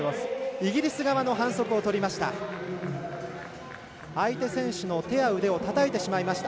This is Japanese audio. イギリス側の反則をとりました。